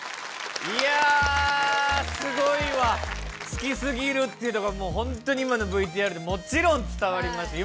好きすぎるっていうのが本当に今のＶＴＲでもちろん伝わりました。